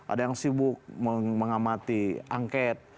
ada yang sibuk mengamati angket